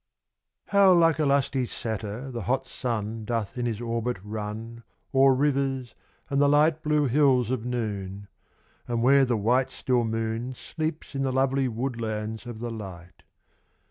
HOW like a lusty satyr, the hot sun Doth in his orbit run O'er rivers and the light blue hills of noon, And where the white still moon Sleeps in the lovely woodlands of the light.